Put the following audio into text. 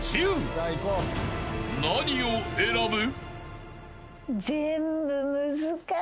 ［何を選ぶ？］